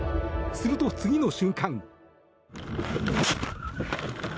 すると、次の瞬間。